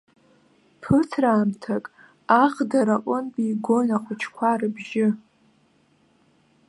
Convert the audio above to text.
Ԥыҭраамҭак аӷдара аҟынтәи игон ахәыҷқәа рыбжьы.